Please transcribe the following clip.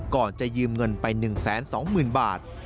ก่อนจะยืมเงินไป๑๒๐๐๐บาท